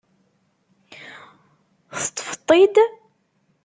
Teṭṭfeḍ-t-id?